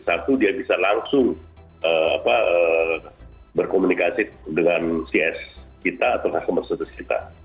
satu dia bisa langsung berkomunikasi dengan cs kita atau customer service kita